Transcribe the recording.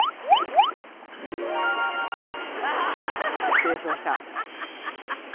失礼しました。